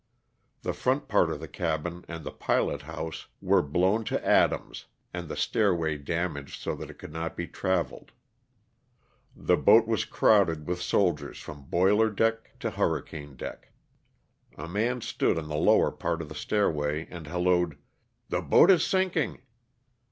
The front part of the cabin and the pilot house were blown to atoms and the stairway damaged so it could not be traveled. The boat was crowded with soldiers from boiler deck to hurricane deck. A man stood on the lower part of the stairway and hallooed, '' the boat is sinking